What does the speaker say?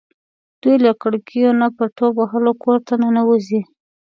دوی له کړکیو نه په ټوپ وهلو کور ته ننوځي.